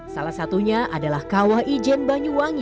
salah satunya adalah kawah ijen banyuwangi